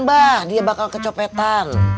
ba dia bakal kecopetan